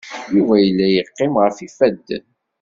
Yuba yella yeqqim ɣef yifadden.